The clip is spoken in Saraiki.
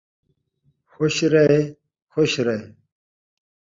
خوش ریہہ ، خوش ریہہ